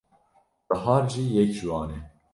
Bihar jî yek ji wan e.